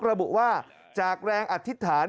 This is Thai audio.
ระบุว่าจากแรงอธิษฐาน